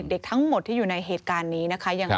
เด็กทั้งหมดที่อยู่ในเหตุการณ์นี้นะคะ